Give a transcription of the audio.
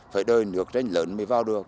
phải đợi nước tránh lớn mới vào được